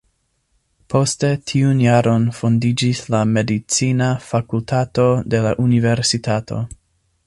Poste tiun jaron fondiĝis la medicina fakultato de la universitato.